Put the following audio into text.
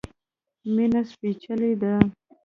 مينه سپيڅلی ده